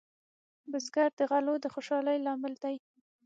بزګر د غلو د خوشحالۍ لامل دی